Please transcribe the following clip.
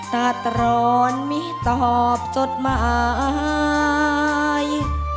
ตัดรอนมิตอบจดหมาย